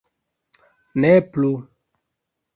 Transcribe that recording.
Ne plu.